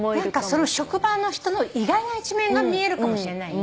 その職場の人の意外な一面が見えるかもしれないね。